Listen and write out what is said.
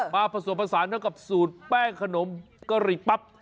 ผสมผสานเท่ากับสูตรแป้งขนมกะหรี่ปั๊บ